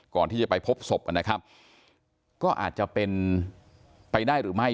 ก่อนที่จะไปพบศพนะครับก็อาจจะเป็นไปได้หรือไม่